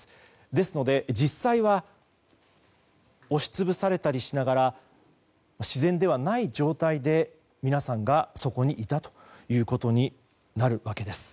ですので、実際は押し潰されたりしながら自然ではない状態で皆さんがそこにいたということになるわけです。